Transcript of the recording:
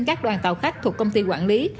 các đoàn tàu khách thuộc công ty quản lý